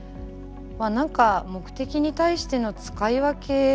まあ何か目的に対しての使い分け